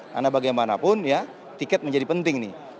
karena bagaimanapun ya tiket menjadi penting nih